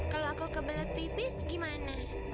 kalau aku kebelet pipis gimana